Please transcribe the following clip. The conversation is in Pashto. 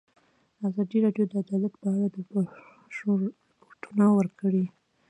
ازادي راډیو د عدالت په اړه د پېښو رپوټونه ورکړي.